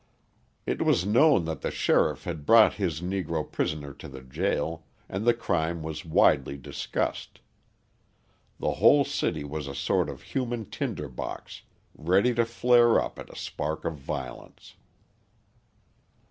It was known that the sheriff had brought his Negro prisoner to the jail, and the crime was widely discussed. The whole city was a sort of human tinder box, ready to flare up at a spark of violence.